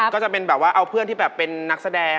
ก็จะเป็นแบบว่าเอาเพื่อนที่แบบเป็นนักแสดง